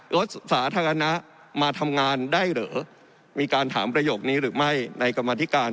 รถสาธารณะมาทำงานได้เหรอมีการถามประโยคนี้หรือไม่ในกรรมธิการ